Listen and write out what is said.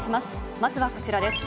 まずはこちらです。